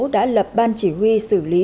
đã lập ban chỉ huy xử lý